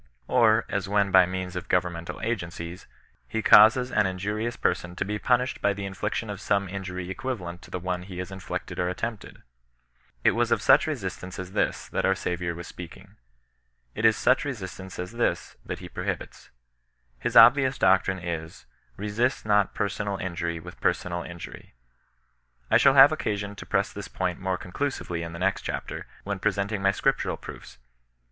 or, as when, by means of governmental agencies, he causes an injurious person to be punished by the infliction of some injury equiva lent to the ome he has inflicted or attempted. It was of CHRISTIAN NON BESISTANOE. 13 ■ach resistance as this, that our Sayiour was speaking. It is such resistance as this that he prohibits. His obvious doctrine is :— Besist not persorud injury with persomd injwry, I shall have occasion to press this point more condusively in the next chapter, when presenting my Scriptural proofs.